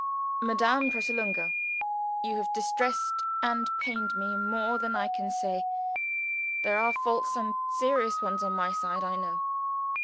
"MADAME PRATOLUNGO, You have distressed and pained me more than I can say. There are faults, and serious ones, on my side, I know.